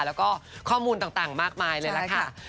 แล้วก็ข้อมูลต่างมากมายเลยล่ะค่ะ